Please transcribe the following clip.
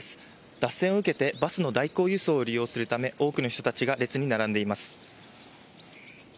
脱線を受けてバスの代行輸送を利用するため多くの人たちが列に並んでいます。